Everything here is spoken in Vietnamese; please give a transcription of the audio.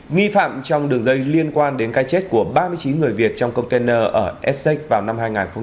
nghi phạm trong đường dây liên quan đến cái chết của ba mươi chín người việt trong container ở essex vào năm hai nghìn một mươi tám